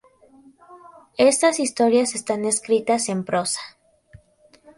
Estas historias están escritas en prosa.